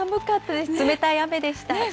冷たい雨でした。